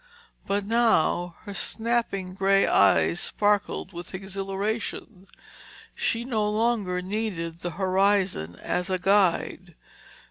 But now her snapping gray eyes sparkled with exhilaration; she no longer needed the horizon as a guide.